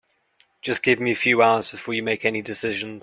Just give me a few hours before you make any decisions.